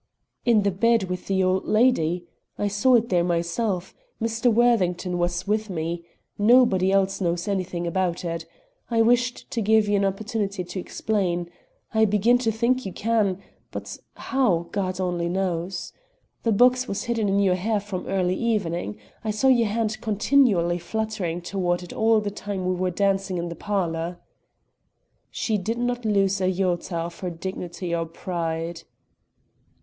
"In the bed with the old lady. I saw it there myself. Mr. Worthington was with me. Nobody else knows anything about it. I wished to give you an opportunity to explain. I begin to think you can but how, God only knows. The box was hidden in your hair from early evening. I saw your hand continually fluttering toward it all the time we were dancing in the parlor." She did not lose an iota of her dignity or pride.